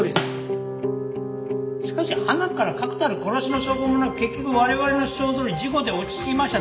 しかしはなから確たる殺しの証拠もなく結局我々の主張どおり事故で落ち着きました。